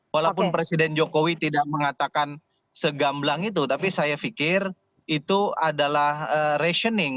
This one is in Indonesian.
walaupun presiden jokowi tidak mengatakan segamblang itu tapi saya pikir itu adalah rationing